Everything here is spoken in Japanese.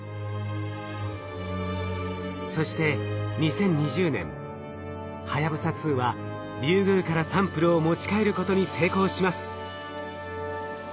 そして２０２０年はやぶさ２はリュウグウからサンプルを持ち帰ることに成功します。